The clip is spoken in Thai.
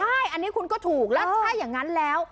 ใช่อันนี้คุณก็ถูกแล้วถ้าอย่างนั้นแล้ว